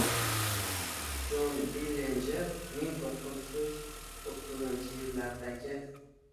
Jon Dillinjer ming to'qqiz yuz o'ttizinchi yillardagi